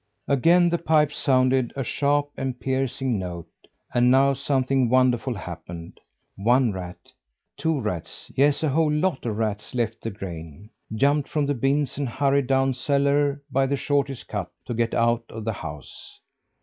Again the pipe sounded a sharp and piercing note and now something wonderful happened. One rat, two rats yes, a whole lot of rats left the grain, jumped from the bins and hurried down cellar by the shortest cut, to get out of the house.